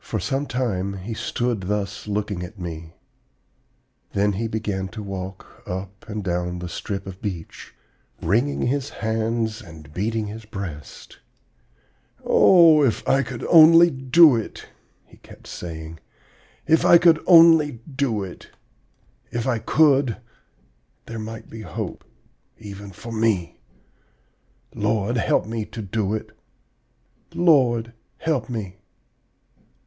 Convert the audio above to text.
"For some time he stood thus looking at me; then he began to walk up and down the strip of beach, wringing his hands and beating his breast. 'Oh, if I could only do it!' he kept saying; 'if I could only do it! If I could, there might be hope, even for me. Lord, help me to do it! Lord, help me!'